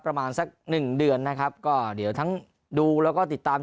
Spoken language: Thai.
ประมาณสักหนึ่งเดือนนะครับก็เดี๋ยวทั้งดูแล้วก็ติดตาม